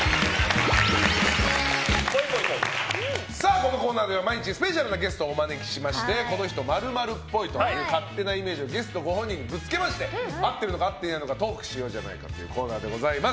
このコーナーでは毎日スペシャルなゲストをお招きしこの人○○っぽいという勝手なイメージをゲストご本人にぶつけまして合ってるのか合っていないのかトークしようじゃないかというコーナーでございます。